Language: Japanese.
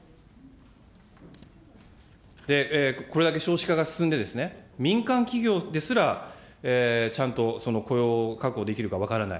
これだけ少子化が進んでですね、民間企業ですら、ちゃんと雇用を確保できるか分からない。